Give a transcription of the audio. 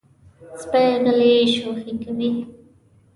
سپي غلی شوخي کوي.